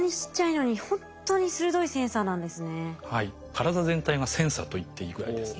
体全体がセンサーといっていいぐらいです。